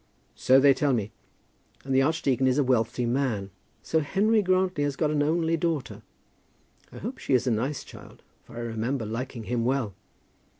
"So they tell me. And the archdeacon is a wealthy man. So Henry Grantly has got an only daughter? I hope she is a nice child, for I remember liking him well."